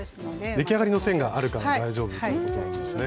出来上がりの線があるから大丈夫ということなんですね。